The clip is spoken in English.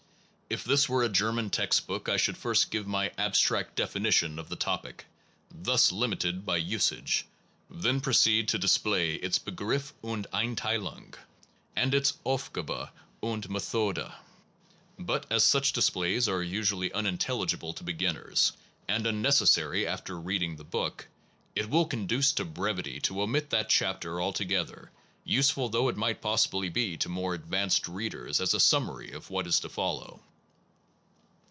If this were a German textbook I should first give my abstract definition of the topic, thus limited by usage, then proceed to display its Begriff, und Eintheilung, and its Aufgabe und Methode. But as such displays are usu ally unintelligible to beginners, and unneces sary after reading the book, it will conduce to brevity to omit that chapter altogether, useful though it might possibly be to more advanced readers as a summary of what is to follow.